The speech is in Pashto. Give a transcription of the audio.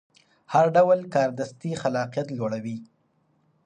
هر ډول کاردستي خلاقیت لوړوي.